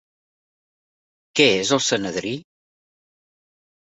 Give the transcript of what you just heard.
Què és el Sanedrí?